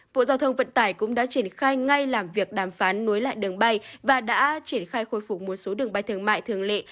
bộ giao thông vận tải cũng đã triển khai ngay làm việc đàm phán nối lại đường bay và đã triển khai khôi phục một số đường bay thương mại thường lệ